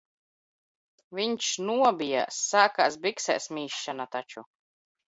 Viņš nobijās, sākās biksēs mīšana taču.